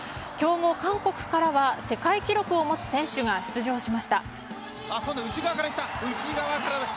強豪・韓国からは世界記録を持つ選手が出場しました。